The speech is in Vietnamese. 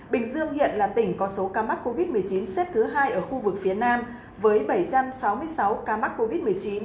bình dương hiện là tỉnh có số ca mắc covid một mươi chín xếp thứ hai ở khu vực phía nam với bảy trăm sáu mươi sáu ca mắc covid một mươi chín